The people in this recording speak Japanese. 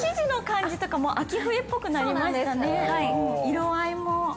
色合いも。